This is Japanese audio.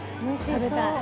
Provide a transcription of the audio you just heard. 食べたい。